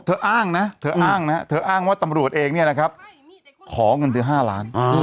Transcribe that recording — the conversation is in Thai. อ้างนะเธออ้างนะเธออ้างว่าตำรวจเองเนี่ยนะครับขอเงินเธอ๕ล้าน